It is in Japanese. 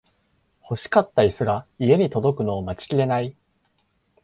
欲しかったイスが家に届くのを待ちきれない